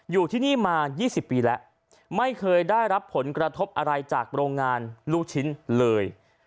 อยู่ที่นี่มา๒๐ปีแล้วไม่เคยได้รับผลกระทบอะไรจากโรงงานลูกชิ้นเลย